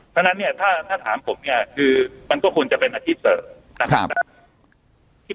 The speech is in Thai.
เพราะฉะนั้นถ้าถามผมเนี้ยก็ควรเป็นอาชีพการทำเข้าทางตัด